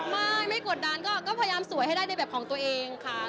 ไม่ไม่กดดันก็พยายามสวยให้ได้ในแบบของตัวเองค่ะ